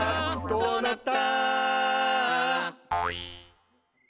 「どうなった？」